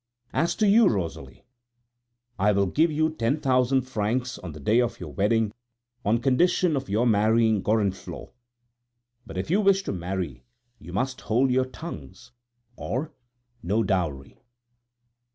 As to you, Rosalie, I will give you ten thousand francs on the day of your wedding, on condition of your marrying Gorenflot; but if you wish to marry, you must hold your tongues; or no dowry."